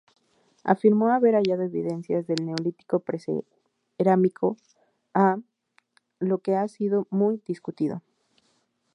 Afirmó haber hallado evidencias del Neolítico precerámico A, lo que ha sido muy discutido.